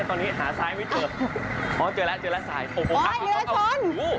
โอ้ยเนื้อคน